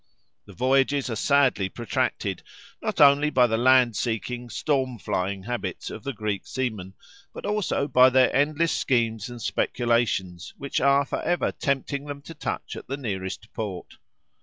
The voyages are sadly protracted, not only by the land seeking, storm flying habits of the Greek seamen, but also by their endless schemes and speculations, which are for ever tempting them to touch at the nearest port.